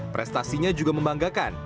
prestasinya juga membanggakan